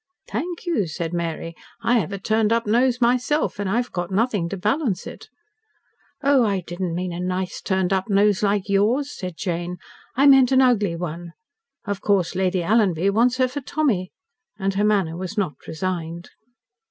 "Thank you," said Mary, "I have a turned up nose myself, and I've got nothing to balance it." "Oh, I didn't mean a nice turned up nose like yours," said Jane; "I meant an ugly one. Of course Lady Alanby wants her for Tommy." And her manner was not resigned.